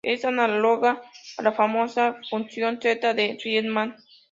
Es análoga a la famosa función zeta de Riemann.